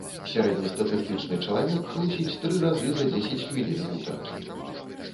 Сярэднестатыстычны чалавек хлусіць тры разы за дзесяць хвілін гутаркі.